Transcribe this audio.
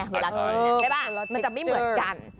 เวลากินใช่ป่ะมันจะไม่เหมือนกัน